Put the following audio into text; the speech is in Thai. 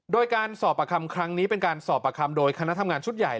โดยการสอบประคำครั้งนี้เป็นการสอบประคำโดยคณะทำงานชุดใหญ่